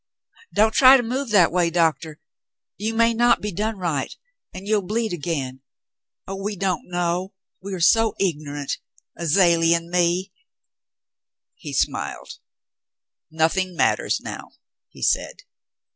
Don't try to move that way, Doctah. You may not be done right, and you'll bleed again. Oh, we don't know — we are so ignorant — Azalie and me —" He smiled. "Nothing matters now," he said.